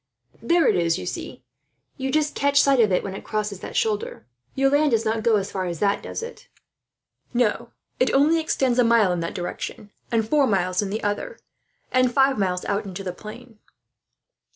"There it is, you see. You just catch sight of it, as it crosses that shoulder. Your land does not go as far as that, does it?" "No, it only extends a mile in that direction, and four miles in the other, and five miles out into the plain."